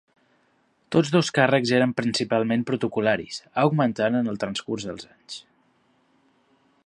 Tots dos càrrecs eren principalment protocol·laris, augmentant en el transcurs dels anys.